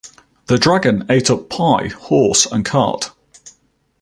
The dragon ate up pie, horse and cart.